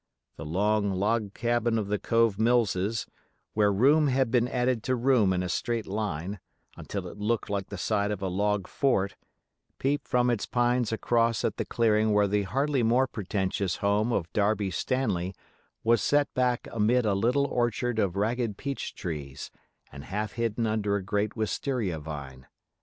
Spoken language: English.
The long log cabin of the Cove Millses, where room had been added to room in a straight line, until it looked like the side of a log fort, peeped from its pines across at the clearing where the hardly more pretentious home of Darby Stanley was set back amid a little orchard of ragged peach trees, and half hidden under a great wistaria vine.